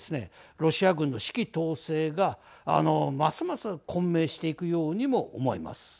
ロシア軍の指揮統制があの、ますます混迷していくようにも思います。